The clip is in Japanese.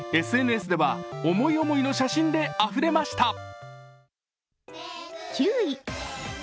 ＳＮＳでは思い思いの写真であふれました。